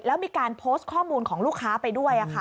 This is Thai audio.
แล้วมีการโพสต์ข้อมูลของลูกค้าไปด้วย